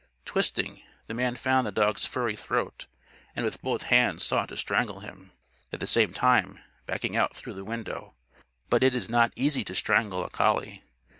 Twisting, the man found the dog's furry throat; and with both hands sought to strangle him; at the same time backing out through the window. But it is not easy to strangle a collie.